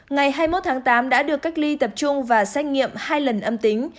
ngày hai mươi một tháng tám đã được cách ly tập trung và xét nghiệm hai lần âm tính